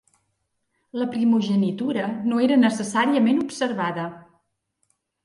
La primogenitura no era necessàriament observada.